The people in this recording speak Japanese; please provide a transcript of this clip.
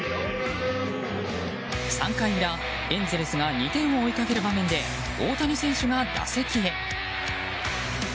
３回裏、エンゼルスが２点を追いかける場面で大谷選手が打席へ。